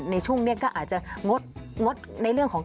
ในช่วงนี้ก็อาจจะงดงดในเรื่องของ